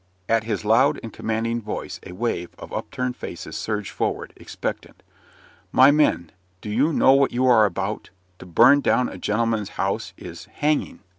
At his loud and commanding voice a wave of up turned faces surged forward, expectant. "My men, do you know what you are about? To burn down a gentleman's house is hanging."